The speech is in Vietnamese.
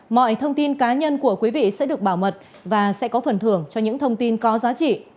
mọi thông tin cá nhân của quý vị sẽ được bảo mật và sẽ có phần thưởng cho những thông tin có giá trị